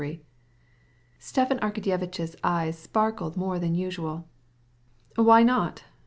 Stepan Arkadyevitch's eyes sparkled more than usual. "Why not?